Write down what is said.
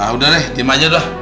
udah deh tim aja dah